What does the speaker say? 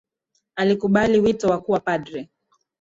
Alikubali wito wa kuwa padri